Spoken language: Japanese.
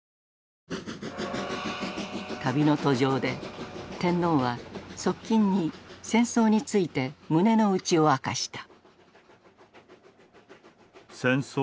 旅の途上で天皇は側近に戦争について胸の内を明かした。